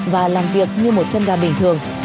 và làm việc như một chân ga bình thường